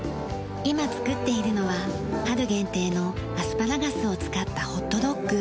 今作っているのは春限定のアスパラガスを使ったホットドッグ。